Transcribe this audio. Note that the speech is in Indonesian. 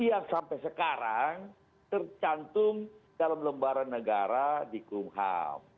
yang sampai sekarang tercantum dalam lembaran negara di kumham